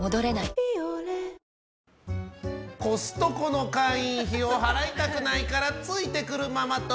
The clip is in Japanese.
コストコの会員費を払いたくないからついてくるママ友。